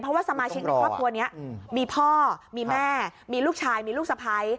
เพราะว่าสมาชิกในครอบครัวนี้มีพ่อมีแม่มีลูกชายมีลูกสะพ้าย